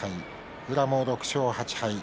宇良も６勝８敗。